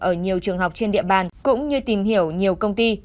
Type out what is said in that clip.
ở nhiều trường học trên địa bàn cũng như tìm hiểu nhiều công ty